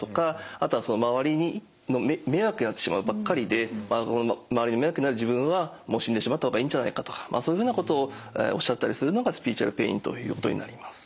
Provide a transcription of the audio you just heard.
あとは「周りの迷惑になってしまうばっかりで周りの迷惑になる自分はもう死んでしまった方がいいんじゃないか」とかそういうふうなことをおっしゃったりするのがスピリチュアルペインということになります。